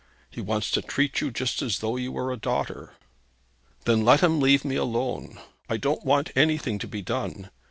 He wants to treat you just as though you were his daughter.' 'Then let him leave me alone. I don't want anything to be done.